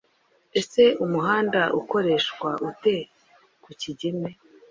Ese umuhanda ukoreshewa ute ku Kigeme?